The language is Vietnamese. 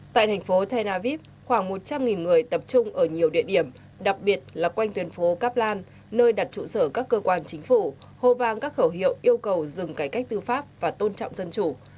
tại thành phố tenaviv khoảng một trăm linh người tập trung ở nhiều địa điểm đặc biệt là quanh tuyến phố kaplan nơi đặt trụ sở các cơ quan chính phủ hô vang các khẩu hiệu yêu cầu dừng cải cách tư pháp và tôn trọng dân chủ